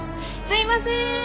すいませーん！